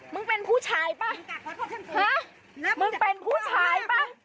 มึงเป็นผู้ชายป่ะฮะมึงเป็นผู้ชายป่ะ